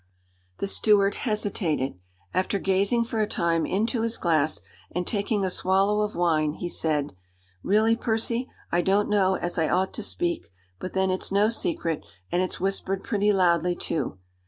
The steward hesitated. After gazing for a time into his glass, and taking a swallow of wine, he said: "Really, Percy, I don't know as I ought to speak; but then it's no secret, and it's whispered pretty loudly, too.